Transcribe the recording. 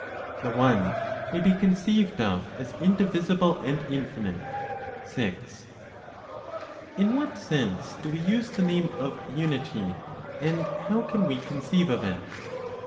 THE ONE MAY BE CONCEIVED OF AS INDIVISIBLE AND INFINITE. 6. In what sense do we use the name of unity, and how can we conceive of it?